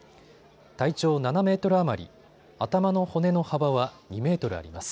体長７メートル余り、頭の骨の幅は２メートルあります。